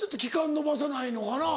延ばさないのかな？